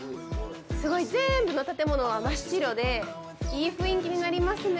全部の建物は真っ白でいい雰囲気になりますね。